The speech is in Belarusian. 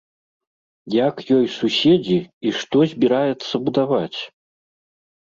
Як ёй суседзі і што збіраецца будаваць?